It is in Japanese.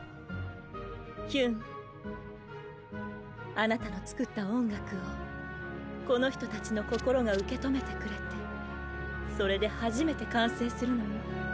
あなたの作った音楽をこの人たちの心が受け止めてくれてそれで初めて完成するのよ。